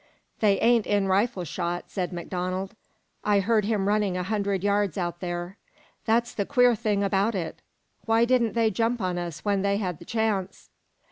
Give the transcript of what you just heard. "They ain't in rifle shot," said MacDonald. "I heard him running a hundred yards out there. That's the queer thing about it! Why didn't they jump on us when they had the chance?"